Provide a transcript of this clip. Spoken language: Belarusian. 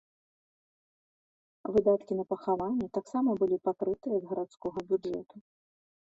Выдаткі на пахаванне таксама былі пакрытыя з гарадскога бюджэту.